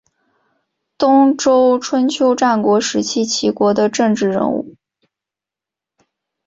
东周春秋战国时期齐国的政治人物。